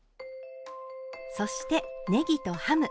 そしてねぎとハム。